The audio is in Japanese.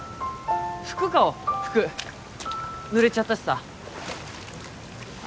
服買おう服濡れちゃったしさあ